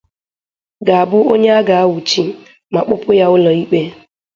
ga-abụ onye a ga-anwụchi ma kpụpụ ya ụlọ ikpe